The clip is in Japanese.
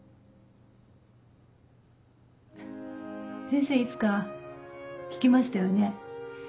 先生いつか聞きましたよね。